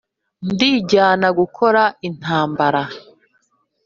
ndijyana gukora intambara